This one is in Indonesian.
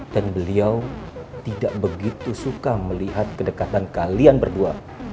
dan beliau tidak begitu suka melihat kedekatan kalian berdua